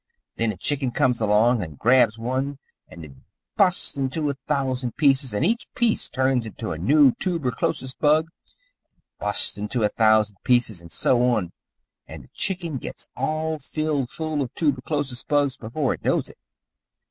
Then a chicken comes along and grabs one, and it busts into a thousand pieces, and each piece turns into a new toober chlosis bug and busts into a thousand pieces, and so on, and the chicken gits all filled full of toober chlosis bugs before it knows it.